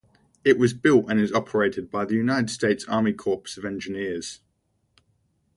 It was built and is operated by the United States Army Corps of Engineers.